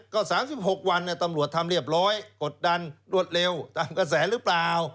ก็๓๖วันตำรวจทำเรียบร้อยกดดันรวดเร็วตามกระแสหรือเปล่า